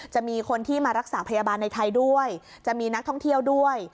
จะมีคนที่มารักษาพยาบาลในไทยด้วยจะมีนักท่องเที่ยวด้วย